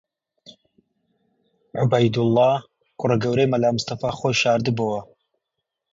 عوبەیدوڵڵا، کوڕە گەورەی مەلا مستەفا خۆی شاردبۆوە